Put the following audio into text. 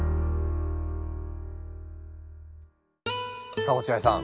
さあ落合さん